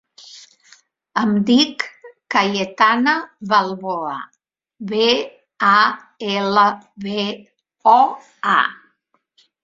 Em dic Cayetana Balboa: be, a, ela, be, o, a.